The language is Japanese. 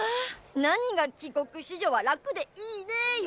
何が「帰国子女は楽でいいね」よ！